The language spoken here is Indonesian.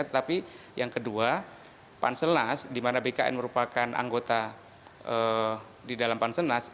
tetapi yang kedua panselnas di mana bkn merupakan anggota di dalam panselnas